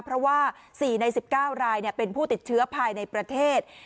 เพราะว่า๔ใน๑๙รายเป็นผู้ติดเชื้อภายในประเทศ